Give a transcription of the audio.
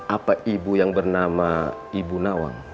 apa ibu yang bernama ibu nawang